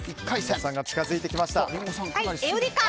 リンゴさんが近づいてきました。